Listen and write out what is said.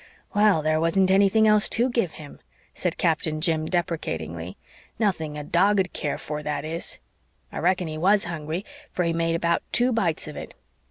"Well, there wasn't anything else TO give him," said Captain Jim deprecatingly. "Nothing a dog'd care for, that is. I reckon he WAS hungry, for he made about two bites of it.